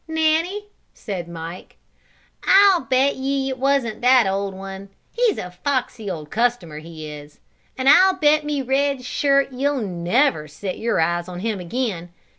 "Nanny," said Mike. "I'll bet ye it wasn't that old one; he's a foxy old customer, he is, and I'll bet me red shirt ye'll never set your eyes on him again.